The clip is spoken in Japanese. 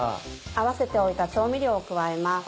合わせておいた調味料を加えます。